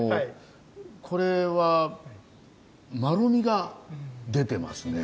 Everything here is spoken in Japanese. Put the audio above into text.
これはまろみが出てますね。